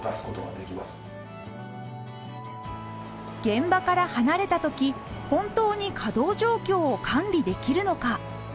現場から離れたとき本当に稼働状況を管理できるのか。